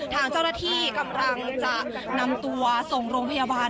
ทางเจ้าหน้าที่กำลังจะนำตัวส่งโรงพยาบาล